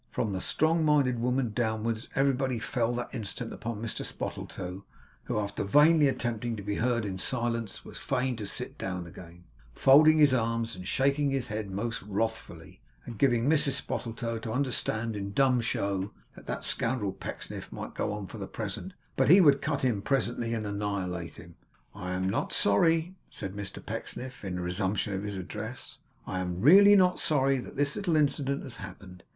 From the strong minded woman downwards everybody fell, that instant, upon Mr Spottletoe, who after vainly attempting to be heard in silence was fain to sit down again, folding his arms and shaking his head most wrathfully, and giving Mrs Spottletoe to understand in dumb show, that that scoundrel Pecksniff might go on for the present, but he would cut in presently, and annihilate him. 'I am not sorry,' said Mr Pecksniff in resumption of his address, 'I am really not sorry that this little incident has happened.